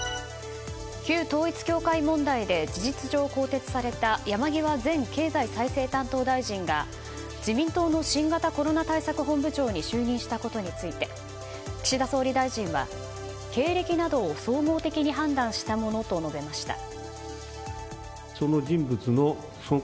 旧統一教会問題で事実上更迭された山際前経済再生担当大臣が自民党の新型コロナ対策本部長に就任したことについて岸田総理大臣は経歴などを総合的に判断したものと述べました。